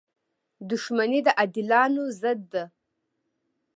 • دښمني د عادلانو ضد ده.